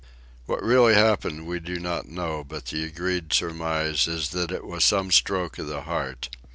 What really happened we do not know, but the agreed surmise is that it was some stroke of the heart.